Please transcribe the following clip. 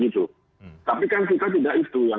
tapi kan kita tidak itu yang